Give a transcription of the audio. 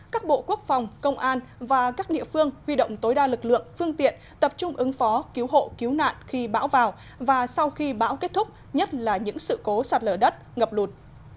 các bộ quốc phòng công an và các địa phương huy động tối đa lực lượng phương tiện tập trung ứng phó cứu hộ cứu nạn khi bão vào và sau khi bão kết thúc nhất là những sự cố sạt lở đất ngập lụt